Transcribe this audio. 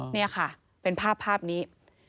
นี่ค่ะเป็นภาพนี้